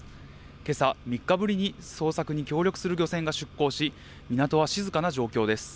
けさ３日ぶりに捜索に協力する漁船が出港し港は静かな状況です。